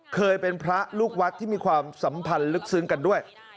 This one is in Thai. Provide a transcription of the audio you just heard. เคยเป็นพระลูกวัดที่มีความสัมพันธ์ลึกซึ้งกันด้วย